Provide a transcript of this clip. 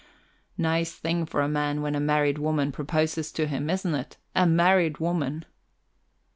Nice thing for a man when a married woman proposes to him, isn't it a married woman?"